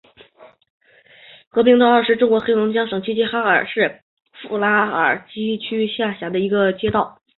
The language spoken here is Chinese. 和平街道是中国黑龙江省齐齐哈尔市富拉尔基区下辖的一个街道。